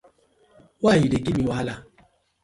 Why you dey give me wahala?